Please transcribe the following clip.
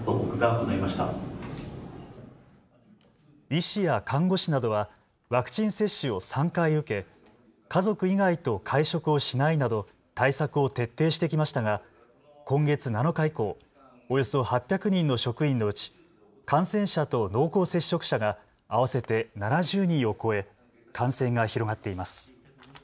医師や看護師などはワクチン接種を３回受け家族以外と会食をしないなど対策を徹底してきましたが今月７日以降、およそ８００人の職員のうち感染者と濃厚接触者が合わせて７０人を超え感染が広がっています。